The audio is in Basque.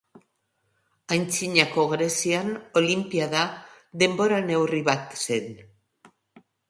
Antzinako Grezian, olinpiada, denbora neurri bat zen.